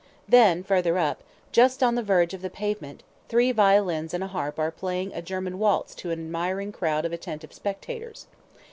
Then, further up, just on the verge of the pavement, three violins and a harp are playing a German waltz to an admiring crowd of attentive spectators.